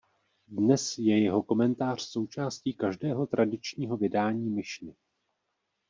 Dnes je jeho komentář součástí každého tradičního vydání Mišny.